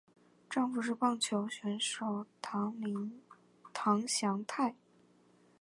丈夫是棒球选手堂林翔太。